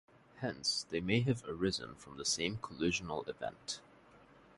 Hence they may have arisen from the same collisional event.